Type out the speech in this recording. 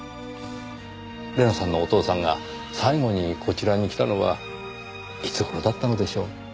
玲奈さんのお父さんが最後にこちらに来たのはいつ頃だったのでしょう？